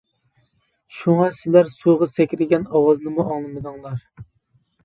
شۇڭا سىلەر سۇغا سەكرىگەن ئاۋازنىمۇ ئاڭلىمىدىڭلار.